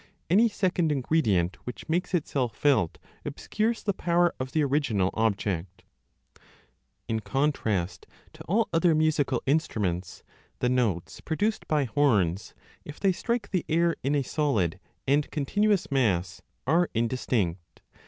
Any second ingredient which makes itself felt obscures the power of the original object. In contrast to all other musical instruments the notes produced by horns, if they strike the air in a solid and continuous mass, are indistinct.